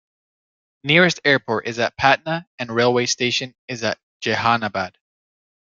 Nearest airport is at Patna and railway station is at Jehanabad.